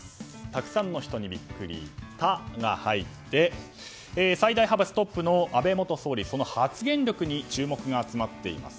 たくさんの人にビックリの「タ」が入って最大派閥トップの安倍元総理その発言力に注目が集まっています。